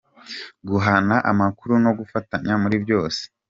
Guhana amakuru no gufatanya muri byose.